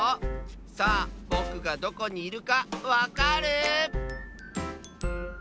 さあぼくがどこにいるかわかる？